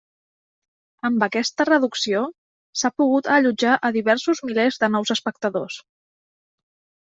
Amb aquesta reducció, s'ha pogut allotjar a diversos milers de nous espectadors.